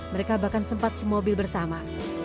mereka bahkan sempat semobil bersama